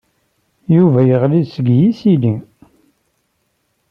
Yuba yeɣli-d seg yisili.